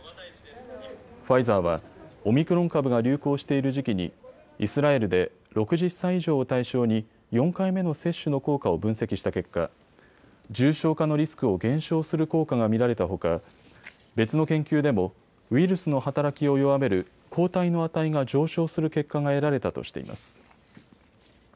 ファイザーはオミクロン株が流行している時期にイスラエルで６０歳以上を対象に４回目の接種の効果を分析した結果、重症化のリスクを減少する効果が見られたほか別の研究でもウイルスの働きを弱める抗体の値が上昇する結果が得られたとしています。